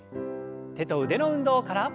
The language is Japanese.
手と腕の運動から。